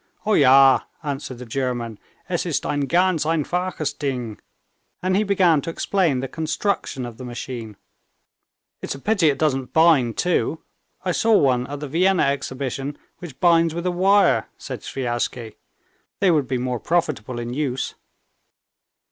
"Oh, ja," answered the German. "Es ist ein ganz einfaches Ding," and he began to explain the construction of the machine. "It's a pity it doesn't bind too. I saw one at the Vienna exhibition, which binds with a wire," said Sviazhsky. "They would be more profitable in use."